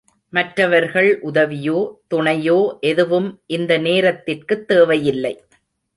மற்றவர்கள் உதவியோ, துணையோ எதுவும் இந்த நேரத்திற்குத் தேவையில்லை.